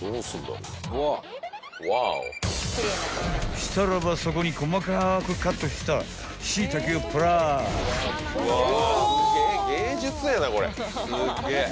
［したらばそこに細かくカットしたしいたけをプラス］